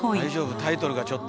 タイトルがちょっと。